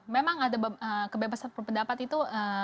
memang ada kebebasan berpendapat itu